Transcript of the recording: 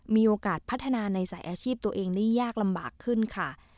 มีโอกาสพัฒนาในสายอาชีพตัวเองได้ยากลำบากขึ้นค่ะ